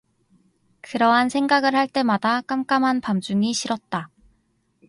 그러한 생각을 할 때마다 깜깜한 밤중이 싫었다.